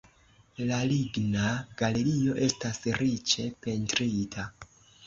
La ligna galerio estas riĉe pentrita.